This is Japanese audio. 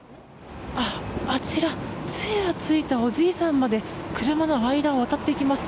あちら杖をついたおじいさんまで車の間を渡っていきます。